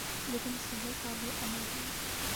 لیکن تصور قابلِعمل ہے